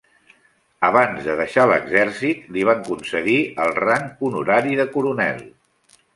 Abans de deixar l'exèrcit li van concedir el rang honorari de coronel.